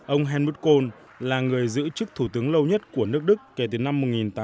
ông helmut kohl là người giữ chức thủ tướng lâu nhất của nước đức kể từ năm một nghìn tám trăm chín mươi